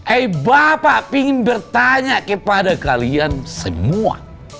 eh bapak ingin bertanya kepada kalian semua